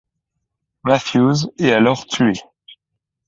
Mathews est alors tué.